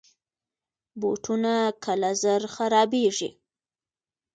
بوټونه کله زر خرابیږي.